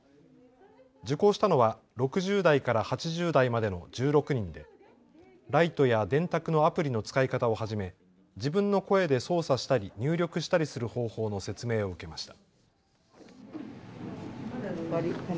受講したのは６０代から８０代までの１６人でライトや電卓のアプリの使い方をはじめ自分の声で操作したり入力したりする方法の説明を受けました。